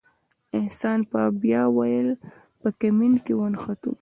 احسان به بیا ویل په کمین کې ونښتو.